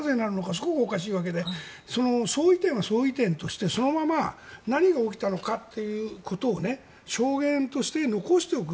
そこがおかしいわけで相違点は相違点としてそのまま何が起きたのかということを証言として残しておく。